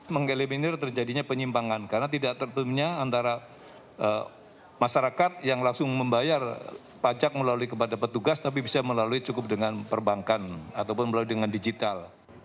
mengeliminir terjadinya penyimpangan karena tidak tertutupnya antara masyarakat yang langsung membayar pajak melalui kepada petugas tapi bisa melalui cukup dengan perbankan ataupun melalui dengan digital